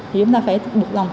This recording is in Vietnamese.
thì chúng ta phải buộc lòng